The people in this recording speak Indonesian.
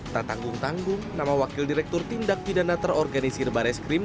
tertanggung tanggung nama wakil direktur tindak pidana terorganisir bareskrim